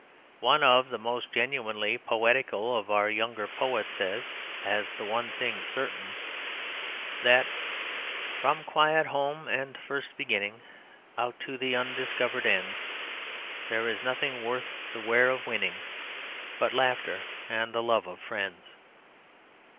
One of the most genuinely poetical of our younger poets says, as the one thing certain, that "From quiet home and first beginning Out to the undiscovered ends There's nothing worth the wear of winning But laughter and the love of friends."